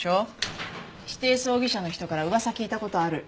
指定葬儀社の人から噂聞いた事ある。